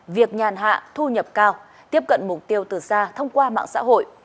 việc nhàn hạ thu nhập cao tiếp cận mục tiêu từ xa thông qua mạng xã hội